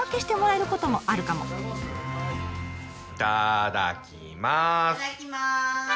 いただきます！